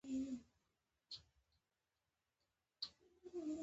بزګران په شدیدو کارونو لګیا شول.